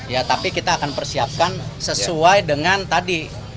ya tapi kita akan persiapkan sesuai dengan tadi